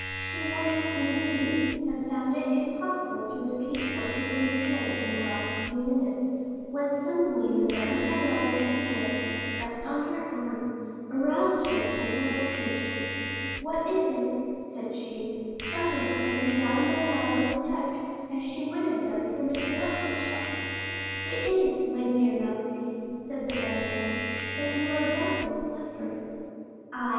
She would, indeed, have found it impossible to repeat what had been said the last few minutes, when suddenly Madame Danglars' hand, pressed on her arm, aroused her from her lethargy. "What is it?" said she, starting at Madame Danglars' touch as she would have done from an electric shock. "It is, my dear Valentine," said the baroness, "that you are, doubtless, suffering." 40280m "I?"